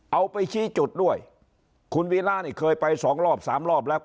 เอาไปชี้จุดด้วยคุณวีระนี่เคยไปสองรอบสามรอบแล้ว